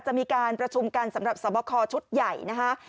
จะมีการประชุมกันสำหรับสวบคอชุดใหญ่นะคะ